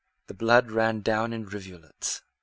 The blood ran down in rivulets.